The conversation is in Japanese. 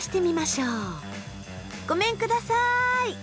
ごめんください。